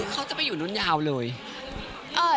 เขาจะไปอยู่รุ่นยาวเลย